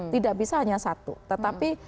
tidak bisa hanya satu tetapi